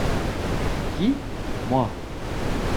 Qui ?- Moi.